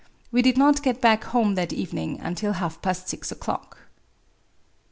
We did not get >ack home that evening until half past six o'clock.